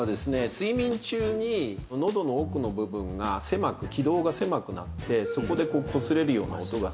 睡眠中に喉の奥の部分が狭く気道が狭くなってそこでこすれるような音がする。